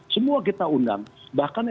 semua kita undang bahkan